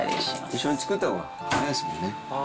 一緒に作ったほうが早いですもんね。